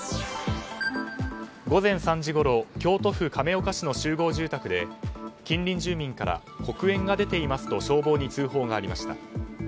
午前３時ごろ京都府亀岡市の集合住宅で近隣住民から黒煙が出ていますと消防に通報がありました。